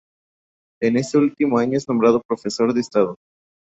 En este último año es nombrado Profesor de Estado.